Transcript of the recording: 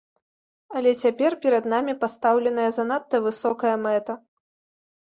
Але цяпер перад намі пастаўленая занадта высокая мэта.